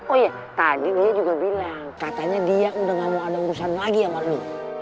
oh ya tadi dia juga bilang katanya dia udah gak mau ada urusan lagi sama dia